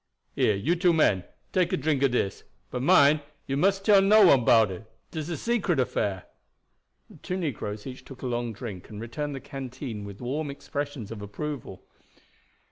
Here, you two men, take a drink of dis; but mind, you mustn't tell no one 'bout it. Dis a secret affair." The two negroes each took a long drink, and returned the canteen with warm expressions of approval.